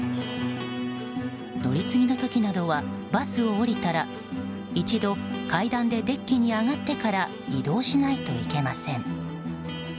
乗り継ぎの時などはバスを降りたら一度、階段でデッキに上がってから移動しないといけません。